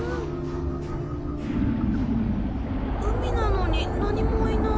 海なのに何もいない。